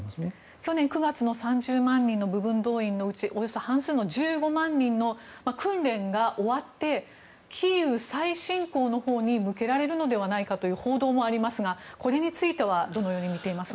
去年９月の３０万人の部分動員のうちおよそ半数の１５万人の訓練が終わってキーウ再侵攻のほうに向けられるのではないかという報道もありますがこれについてはどのようにみていますか？